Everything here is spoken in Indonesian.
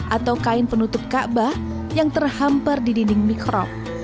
atau kain penutup ka bah yang terhampar di dinding mikrob